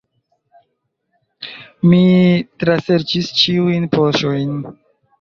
Mi traserĉis ĉiujn poŝojn.